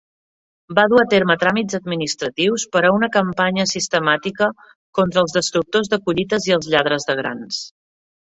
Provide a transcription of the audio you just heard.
Va dur a terme tràmits administratius per a una campanya "sistemàtica" "contra els destructors de collites i els lladres de grans".